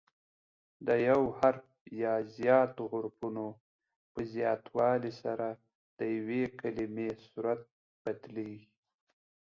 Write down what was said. د یو حرف یا زیاتو حروفو په زیاتوالي سره د یوې کلیمې صورت بدلیږي.